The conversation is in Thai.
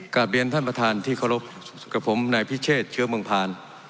กลับเรียนท่านประธานที่เคารพกับผมนายพิเชษเชื้อเมืองพาน